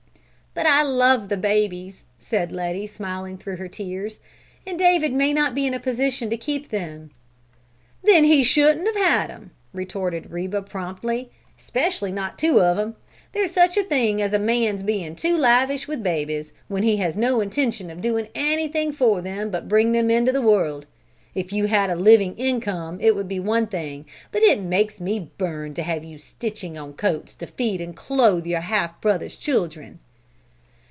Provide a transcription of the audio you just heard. '" "But I love the babies," said Letty smiling through her tears, "and David may not be in a position to keep them." "Then he shouldn't have had them," retorted Reba promptly; "especially not two of them. There's such a thing as a man's being too lavish with babies when he has no intention of doing anything for them but bring them into the world. If you had a living income, it would be one thing, but it makes me burn to have you stitching on coats to feed and clothe your half brother's children!"